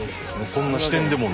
そんな視点でも皆さん